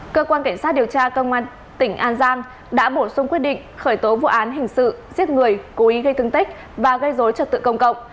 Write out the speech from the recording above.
cơ quan cảnh sát điều tra công an tỉnh an giang đã bổ sung quyết định khởi tố vụ án hình sự giết người cố ý gây thương tích và gây dối trật tự công cộng